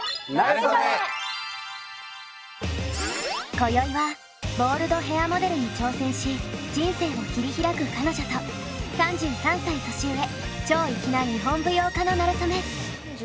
こよいはボールドヘアモデルに挑戦し人生を切り開く彼女と３３歳年上超粋な日本舞踊家のなれそめ。